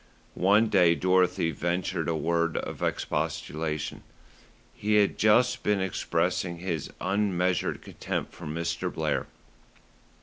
One day Dorothy ventured a word of expostulation. He had just been expressing his unmeasured contempt for Mr. Blair.